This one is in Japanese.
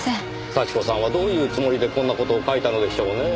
幸子さんはどういうつもりでこんな事を書いたのでしょうねぇ？